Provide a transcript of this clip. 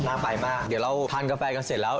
ไปมากเดี๋ยวเราทานกาแฟกันเสร็จแล้ว